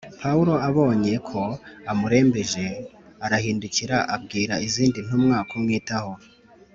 Pawulo abonye ko amurembeje arahindukira abwira izindi ntumwa kumwitaho